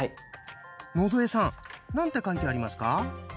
野添さん何て書いてありますか？